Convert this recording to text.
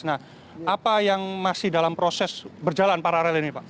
nah apa yang masih dalam proses berjalan paralel ini pak